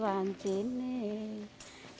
barang barangnya mendengar beriksuclick